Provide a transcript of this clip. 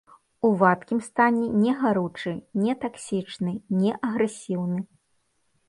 У вадкім стане не гаручы, не таксічны, не агрэсіўны.